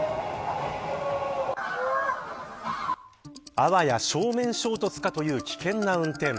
あわや正面衝突かという危険な運転。